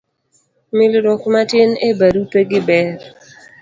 milruok matin e barupe gi ber